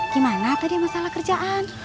gimana tadi masalah kerjaan